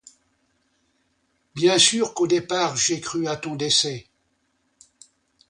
Bien sûr qu’au départ j’ai cru à ton décès.